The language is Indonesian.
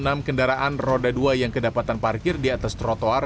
sepanjang ke dua puluh enam kendaraan roda dua yang kedapatan parkir di atas trotoar